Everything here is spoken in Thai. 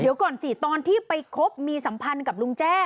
เดี๋ยวก่อนสิตอนที่ไปคบมีสัมพันธ์กับลุงแจ้